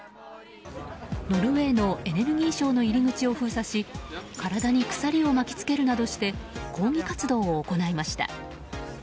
ノルウェーのエネルギー省の入り口を封鎖し体に鎖を巻き付けるなどして抗議活動を行いました。